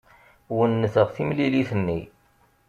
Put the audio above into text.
Wennteɣ timlilit-nni.